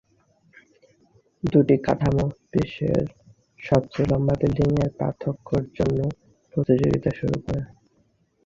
দুটি কাঠামো "বিশ্বের সবচেয়ে লম্বা বিল্ডিং" এর পার্থক্যের জন্য প্রতিযোগিতা শুরু করে।